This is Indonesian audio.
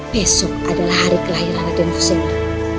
besok adalah hari kelahiran raden husul